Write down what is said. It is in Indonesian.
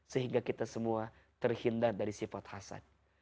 sehingga kita semua terhindar dari sifat hasad